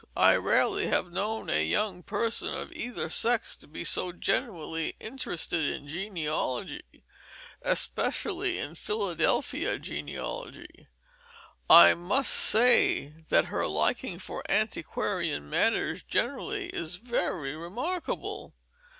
I rarely have known a young person of either sex to be so genuinely interested in genealogy, especially in Philadelphia genealogy; and I must say that her liking for antiquarian matters generally is very remarkable.